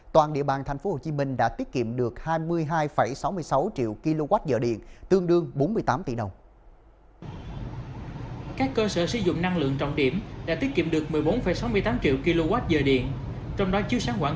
toàn địa bàn tp hcm đã tiết kiệm được hai mươi hai sáu mươi sáu triệu kwh điện tương đương bốn mươi tám tỷ đồng